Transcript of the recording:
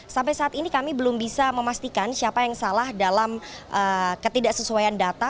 sampai saat ini kami belum bisa memastikan siapa yang salah dalam ketidaksesuaian data